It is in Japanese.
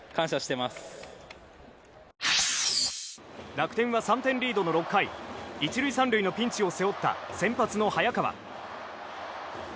楽天は３点リードの６回１塁３塁のピンチを背負った先発の早川。